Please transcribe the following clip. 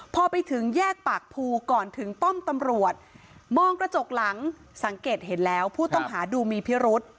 พอไปถึงแยกปากภูก่อนถึงป้อมตำรวจมองกระจกหลังสังเกตเห็นแล้วผู้ต้องหาดูมีพิรุษ